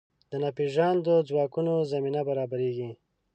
د ناپېژاندو ځواکونو زمینه برابرېږي.